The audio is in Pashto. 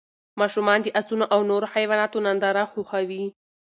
ماشومان د اسونو او نورو حیواناتو ننداره خوښوي.